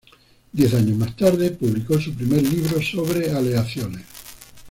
Diez años más tarde publicó su primer libro sobre aleaciones.